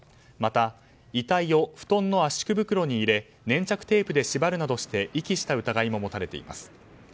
また、遺体を布団の圧縮袋に入れ粘着テープで縛るなどして遺棄した疑いが持たれています。